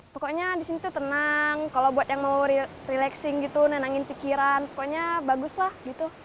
pokoknya di sini tuh tenang kalau buat yang mau relaxing gitu nenangin pikiran pokoknya bagus lah gitu